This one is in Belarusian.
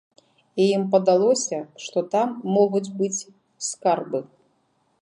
І ім падалося, што там могуць быць скарбы.